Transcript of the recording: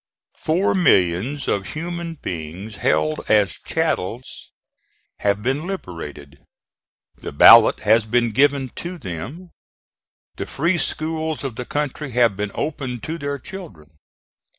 Four millions of human beings held as chattels have been liberated; the ballot has been given to them; the free schools of the country have been opened to their children.